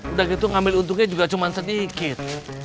udah gitu ngambil untungnya juga cuma sedikit